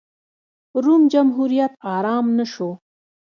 روم جمهوریت ارام نه شو.